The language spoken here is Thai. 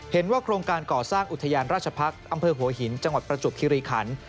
โครงการก่อสร้างอุทยานราชพักษ์อำเภอหัวหินจังหวัดประจวบคิริขัน